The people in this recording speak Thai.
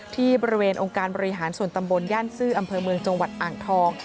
ที่บริเวณองค์การบริหารส่วนตำบลย่านซื่ออำเภอเมืองจังหวัดอ่างทอง